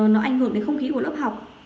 nó ảnh hưởng đến không khí của lớp học